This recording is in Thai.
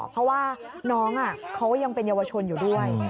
เพราะว่าน้องเขายังเป็นเยาวชนอยู่ด้วย